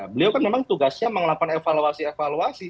beliau kan memang tugasnya mengelapan evaluasi evaluasi